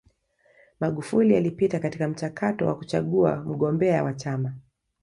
magufuli alipita katika mchakato wa kuchagua mgombea wa chama